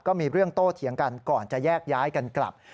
ก็มีเรื่องโต้เถียงกันก่อนจะแยกย้ายกันกลับ